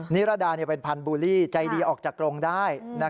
นิรดาเป็นพันธบูลลี่ใจดีออกจากกรงได้